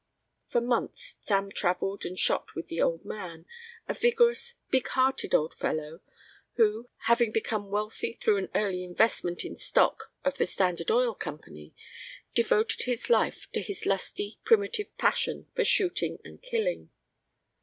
For months Sam travelled and shot with the old man, a vigorous, big hearted old fellow who, having become wealthy through an early investment in stock of the Standard Oil Company, devoted his life to his lusty, primitive passion for shooting and killing.